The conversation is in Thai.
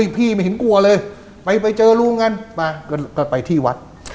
พี่ไม่เห็นกลัวเลยไปเจอลูกกันไปที่วัด